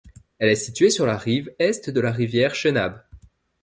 Elle est située sur la rive est de la rivière Chenab.